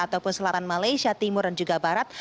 ataupun selatan malaysia timur dan juga barat